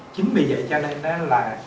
chính vì vậy cho nên đó là